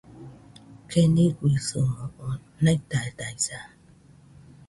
Keniguisɨmo oo naidadaisa